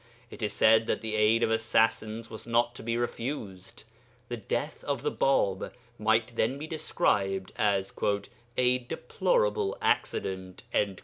It is said that the aid of assassins was not to be refused; the death of the Bāb might then be described as 'a deplorable accident.'